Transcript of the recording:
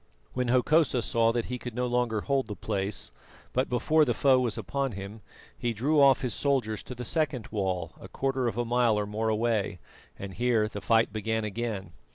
When Hokosa saw that he could no longer hold the place, but before the foe was upon him, he drew off his soldiers to the second wall, a quarter of a mile or more away, and here the fight began again.